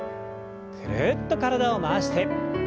ぐるっと体を回して。